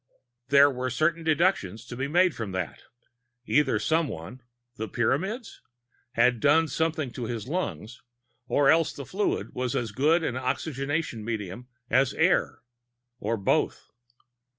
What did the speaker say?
There were certain deductions to be made from that. Either someone the Pyramids? had done something to his lungs, or else the fluid was as good an oxygenating medium as air. Or both.